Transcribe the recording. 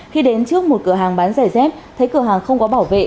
khi đến trước một cửa hàng bán rẻ dép thấy cửa hàng không có bảo vệ